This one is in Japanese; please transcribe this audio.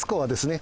ね